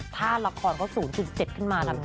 ถ้าระครเขา๐๗ขึ้นมาแล้วไง